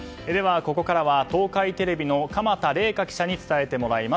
ここからは東海テレビの鎌田麗香記者に伝えてもらいます。